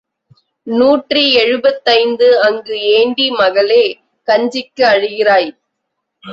நூற்றி எழுபத்தைந்து அங்கு ஏண்டி மகளே, கஞ்சிக்கு அழுகிறாய்?